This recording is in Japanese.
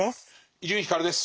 伊集院光です。